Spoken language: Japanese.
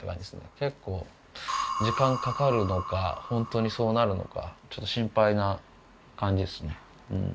結構時間かかるのかホントにそうなるのかちょっと心配な感じですね。